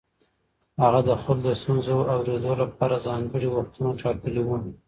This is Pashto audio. هغه د خلکو د ستونزو اورېدو لپاره ځانګړي وختونه ټاکلي وو.